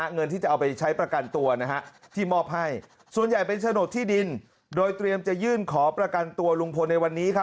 เงินที่จะเอาไปใช้ประกันตัวที่มอบให้ส่วนใหญ่เป็นโฉนดที่ดินโดยเตรียมจะยื่นขอประกันตัวลุงพลในวันนี้ครับ